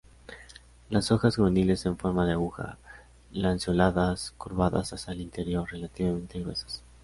Las hojas juveniles en forma de aguja, lanceoladas, curvadas hacia el interior, relativamente gruesas.